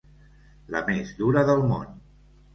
La més dura del món.